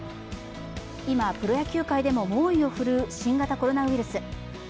今、プロ野球界でも猛威を振るう新型コロナウイルス。